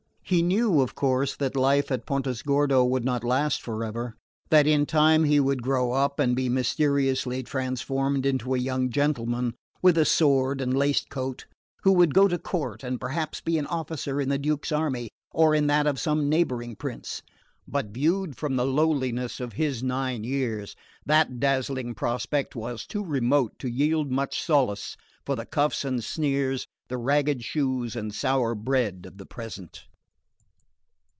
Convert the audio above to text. He knew, of course, that life at Pontesordo would not last for ever that in time he would grow up and be mysteriously transformed into a young gentleman with a sword and laced coat, who would go to court and perhaps be an officer in the Duke's army or in that of some neighbouring prince; but, viewed from the lowliness of his nine years, that dazzling prospect was too remote to yield much solace for the cuffs and sneers, the ragged shoes and sour bread of the present.